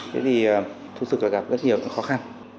thế thì thực sự gặp rất nhiều khó khăn